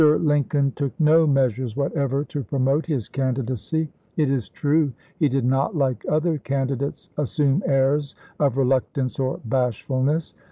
Lincoln took no measures whatever to pro mote his candidacy. It is true he did not, like other candidates, assume airs of reluctance or bash fulness.